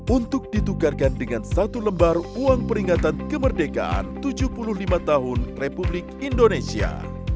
untuk ditukarkan dengan satu lembar uang peringatan kemerdekaan tujuh puluh lima tahun republik indonesia